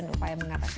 masalah yang terjadi